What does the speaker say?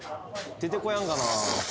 出てこやんかな？